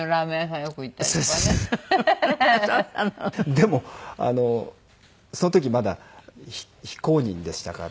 でもあのその時まだ非公認でしたから。